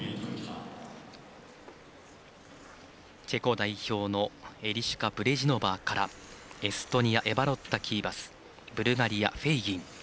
チェコ代表のエリシュカ・ブレジノバーからエストニアエバロッタ・キーバスブルガリア、フェイギン。